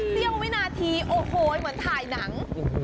เที่ยวไม่นาทีโอ้โหยยยเหมือนถ่ายหนัง